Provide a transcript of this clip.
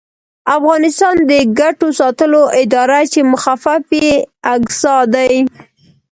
افغانستان د ګټو ساتلو اداره چې مخفف یې اګسا دی